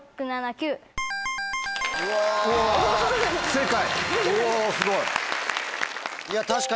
正解！